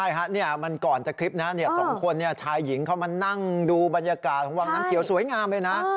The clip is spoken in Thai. ใช่ฮะมันก่อนจะคลิปนะสองคนชายหญิงเข้ามานั่งดูบรรยากาศของวังน้ำเขียวสวยงามเลยนะ